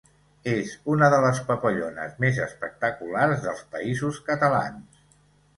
És una de les papallones més espectaculars dels Països Catalans.